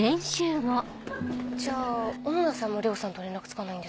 じゃあ小野田さんも玲緒さんと連絡つかないんですか？